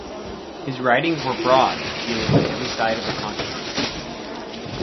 His writings were broad, dealing with every side of the controversy.